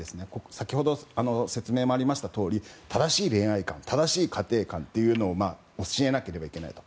先ほど説明もありましたとおり正しい恋愛観正しい家庭観というのを教えなければいけないと。